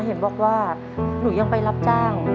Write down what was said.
เห็นบอกว่าหนูยังไปรับจ้าง